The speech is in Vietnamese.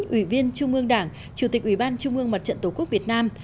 ủy viên trung ương đảng chủ tịch ủy ban trung ương mặt trận tổ quốc việt nam